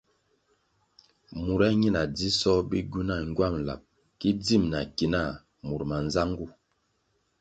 Mura ñina dzisoh bigywuna ngywam lab ki dzim na ki nah mur manzangu.